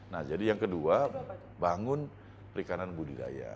nah jadi yang kedua bangun perikanan budidaya